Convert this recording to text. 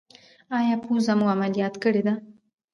ایا پوزه مو عملیات کړې ده؟